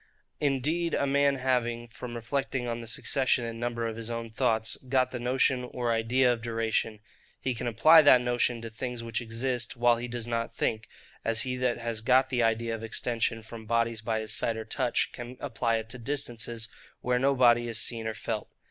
Indeed a man having, from reflecting on the succession and number of his own thoughts, got the notion or idea of duration, he can apply that notion to things which exist while he does not think; as he that has got the idea of extension from bodies by his sight or touch, can apply it to distances, where no body is seen or felt.